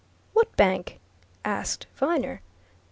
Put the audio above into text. "What bank?" asked Viner.